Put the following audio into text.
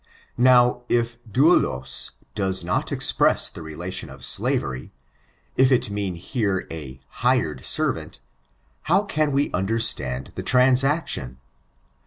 Now, if douloe does not express the relation of slavery — if it mean here a hired eervatU, how can we understand the transaction?